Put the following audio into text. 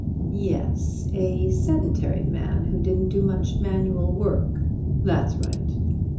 "Yes; a sedentary man who didn't do much manual work." "That's right."